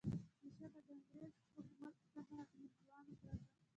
بېشکه د انګریز حکومت څخه د هندیانو کرکه.